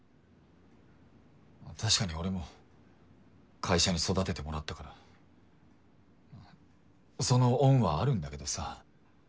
確かに俺も会社に育ててもらったからその恩はあるんだけどさ。